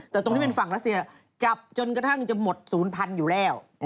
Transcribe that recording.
แต่ตรงที่เป็นฝั่งรัสเซียจับจนกระทั่งจะหมดศูนย์พันธุ์อยู่แล้ว